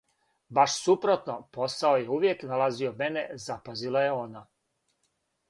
"Баш супротно, посао је увијек налазио мене," запазила је она."